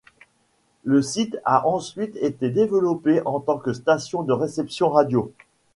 Le site a ensuite été développé en tant que station de réception radio.